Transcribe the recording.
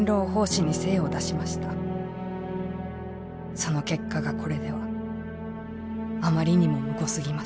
その結果がこれではあまりにもむごすぎます」。